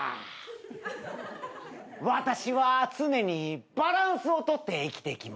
私は常にバランスを取って生きてきました。